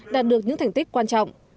đạt được những thành tích quan trọng